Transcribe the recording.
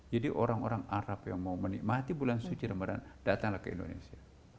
jadi orang orang arab yang mau menikmati bulan suci ramadan datanglah ke indonesia